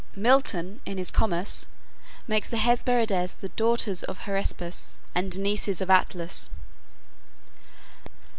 Milton, in his "Comus," makes the Hesperides the daughters of Hesperus and nieces of Atlas